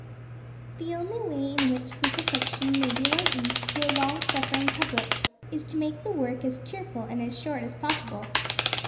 The only way in which this affliction may be lightened to a long suffering public is to make the work as cheerful and as short as possible.